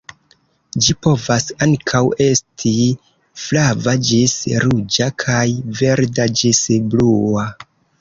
Ĝi povas ankaŭ esti flava ĝis ruĝa kaj verda ĝis blua.